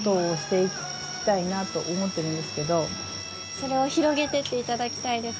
それを広げてっていただきたいです